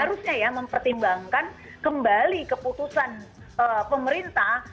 harusnya ya mempertimbangkan kembali keputusan pemerintah